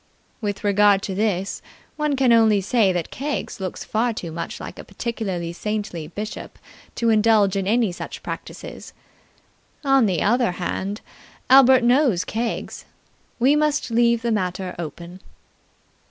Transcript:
With regard to this, one can only say that Keggs looks far too much like a particularly saintly bishop to indulge in any such practices. On the other hand, Albert knows Keggs. We must leave the matter open.